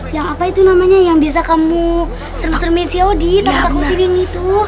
yang apa itu namanya yang biasa kamu serem seremin si odi takut takutin ini tuh